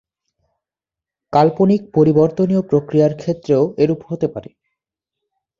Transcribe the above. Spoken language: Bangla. কাল্পনিক পরিবর্তনীয় প্রক্রিয়ার ক্ষেত্রেও এরূপ হতে পারে।